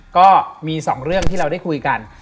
ก็มี๒เรื่องที่เราได้คุยกัน